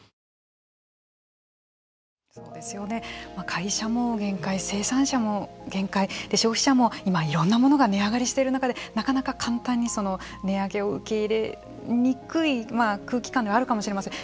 会社も限界生産者も限界消費者も今いろんなものが値上げしている中でなかなか簡単に値上げを受け入れにくい空気感ではあるかもしれません。